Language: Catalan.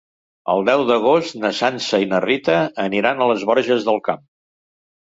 El deu d'agost na Sança i na Rita aniran a les Borges del Camp.